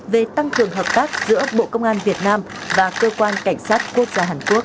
về tăng cường hợp tác giữa bộ công an việt nam và cơ quan cảnh sát quốc gia hàn quốc